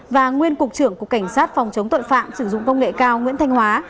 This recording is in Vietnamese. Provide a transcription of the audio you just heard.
và nguyên cục trưởng cục cảnh sát phòng chống tội phạm sử dụng công nghệ cao nguyễn thanh hóa